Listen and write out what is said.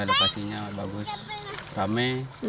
lokasinya bagus rame